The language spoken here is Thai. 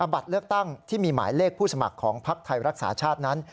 บัตรเลือกตั้งที่มีหมายเลขผู้สมัครของพักไทยรักษาชาตินั้น